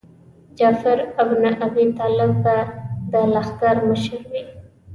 جعفر ابن ابي طالب به د لښکر مشر وي.